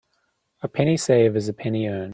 A penny saved is a penny earned.